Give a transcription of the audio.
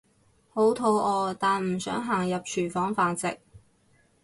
好肚餓但唔想行入廚房飯食